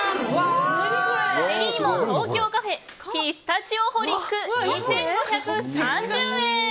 デリーモ東京カフェピスタチオホリック２５３０円。